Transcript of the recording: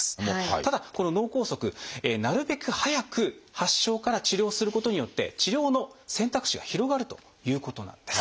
ただこの脳梗塞なるべく早く発症から治療することによって治療の選択肢が広がるということなんです。